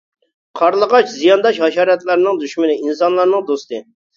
قارلىغاچ زىيانداش ھاشاراتلارنىڭ دۈشمىنى، ئىنسانلارنىڭ دوستى.